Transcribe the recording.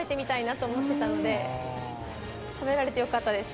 食べられてよかったです